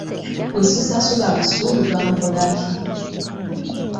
Bwe sisasula busuulu bankola ki?